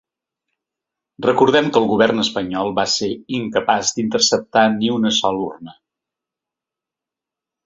Recordem que el govern espanyol va ser incapaç d’interceptar ni una sola urna.